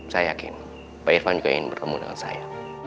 saya yakin pak irfan juga ingin bertemu dengan saya